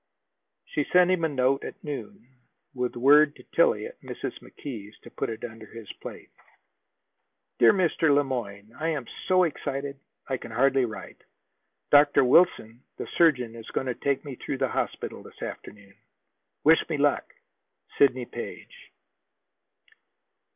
She sent him a note at noon, with word to Tillie at Mrs. McKee's to put it under his plate: DEAR MR. LE MOYNE, I am so excited I can hardly write. Dr. Wilson, the surgeon, is going to take me through the hospital this afternoon. Wish me luck. SIDNEY PAGE.